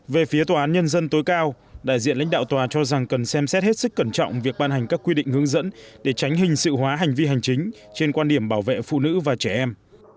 về phía tòa án nhân dân tối cao đại diện lãnh đạo tòa cho rằng cần xem xét hết sức cẩn trọng việc ban hành các quy định hướng dẫn để tránh hình sự hóa hành vi hành chính trên quan điểm bảo vệ phụ nữ và trẻ em